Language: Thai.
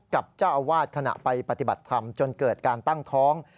กับเจ้าอาวาสขณะไปปฏิบัติธรรมจนเกิดการตั้งท้อง